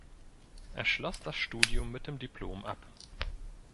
Er schloss das Studium mit dem Diplom ab.